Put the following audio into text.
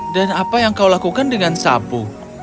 dan apa yang kau lakukan dengan sapu